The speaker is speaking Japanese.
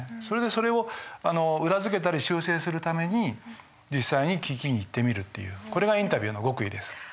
それでそれを裏付けたり修正するために実際に聞きに行ってみるっていうこれがインタビューの極意です。